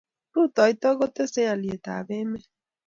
rutoito kotesei alyetap emet